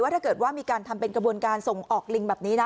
ถ้าเกิดว่ามีการทำเป็นกระบวนการส่งออกลิงแบบนี้นะ